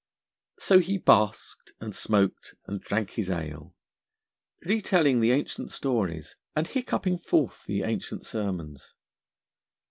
So he basked and smoked and drank his ale, retelling the ancient stories, and hiccuping forth the ancient sermons.